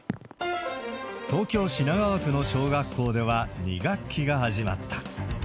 東京・品川区の小学校では、２学期が始まった。